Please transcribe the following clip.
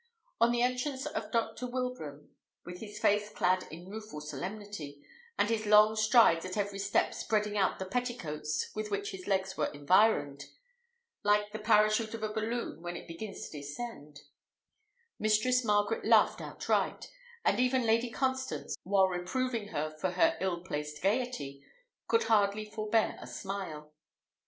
On the entrance of Dr. Wilbraham, with his face clad in rueful solemnity, and his long strides at every step spreading out the petticoats with which his legs were environed, like the parachute of a balloon when it begins to descend, Mistress Margaret laughed outright; and even Lady Constance, while reproving her for her ill placed gaiety, could hardly forbear a smile.